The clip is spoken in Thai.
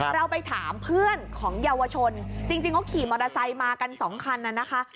เราไปถามเพื่อนของเยาวชนจริงเขาขี่มอเตอร์ไซค์มากันสองคันน่ะนะคะ